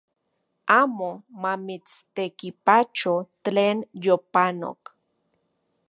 Amo mamitstekipacho tlen yopanok